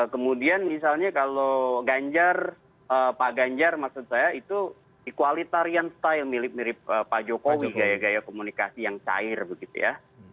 kemudian misalnya kalau ganjar pak ganjar maksud saya itu equalitarian style mirip mirip pak jokowi gaya gaya komunikasi yang cair begitu ya